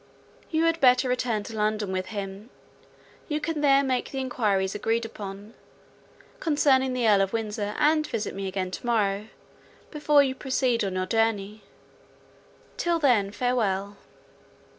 You had better return to London with him; you can there make the enquiries agreed upon, concerning the Earl of Windsor and visit me again to morrow, before you proceed on your journey—till then, farewell!"